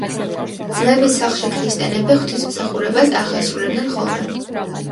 ძმების სახლში ქრისტიანები ღვთისმსახურებას აღასრულებდნენ ხოლმე.